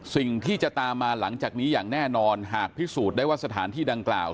สิ่งที่จะตามมาหลังจากนี้อย่างแน่นอนหากพิสูจน์ได้ว่าสถานที่ดังกล่าว